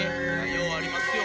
ようありますよ